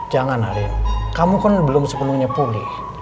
jangan hari kamu kan belum sepenuhnya pulih